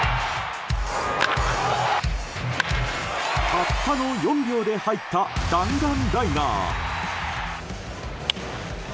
たったの４秒で入った弾丸ライナー。